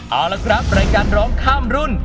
เอาละครับรายการร้องข้ามรุ่น